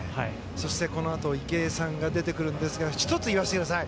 そして、このあと池江さんが出てきますが１つ、言わせてください。